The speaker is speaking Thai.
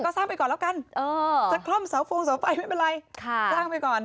ก็สร้างไปก่อนแล้วกันจะคล่อมเสาฟงเสาไฟไม่เป็นไรสร้างไปก่อน